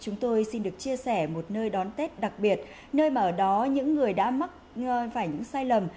nơi mà ở đó những người đã mắc phải những sai lầm